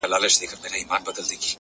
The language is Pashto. بيا کرار ـکرار د بت و خواته گوري ـ